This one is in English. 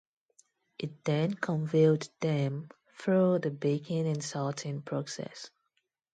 It then conveyed them through the baking and salting process.